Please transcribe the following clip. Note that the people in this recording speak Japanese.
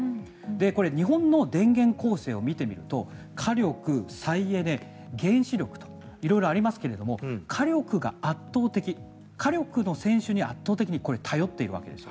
これ、日本の電源構成を見てみると火力、再エネ原子力と色々ありますが火力が圧倒的火力の選手に圧倒的に頼っているわけです。